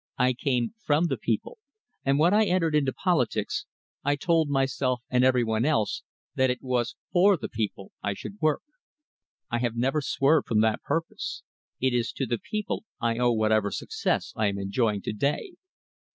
I came from the people, and when I entered into politics, I told myself and every one else that it was for the people I should work. I have never swerved from that purpose. It is to the people I owe whatever success I am enjoying to day."